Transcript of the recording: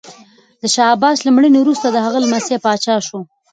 د شاه عباس له مړینې وروسته د هغه لمسی پاچا شو.